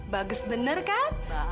bagus bener kan